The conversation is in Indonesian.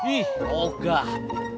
ih oh enggak